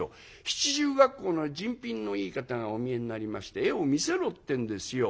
七十恰好の人品のいい方がお見えになりまして絵を見せろってんですよ。